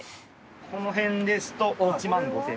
この辺ですと１万５，０００円。